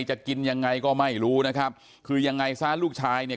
จะกินยังไงก็ไม่รู้นะครับคือยังไงซะลูกชายเนี่ย